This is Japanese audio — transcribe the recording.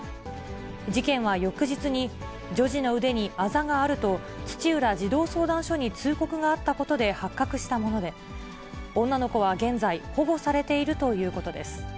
事件は翌日に女児の腕にあざがあると、土浦児童相談所に通告があったことで発覚したもので、女の子は現在、保護されているということです。